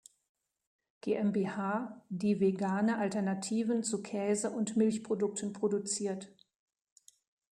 GmbH, die vegane Alternativen zu Käse- und Milchprodukten produziert.